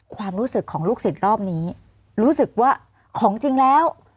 ความรู้สึกของลูกศิษย์รอบนี้รู้สึกว่าของจริงแล้ว